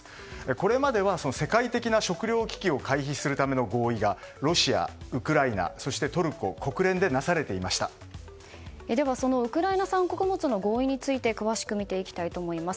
これまでは世界的な食糧危機を回避するための合意がロシア、ウクライナそしてトルコでそのウクライナ産穀物の合意について詳しく見ていきたいと思います。